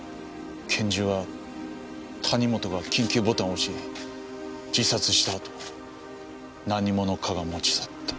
拳銃は谷本が緊急ボタンを押し自殺したあと何者かが持ち去った。